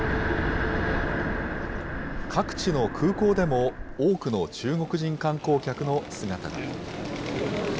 各地の空港でも多くの中国人観光客の姿が。